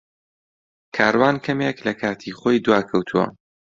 کاروان کەمێک لە کاتی خۆی دواکەوتووە.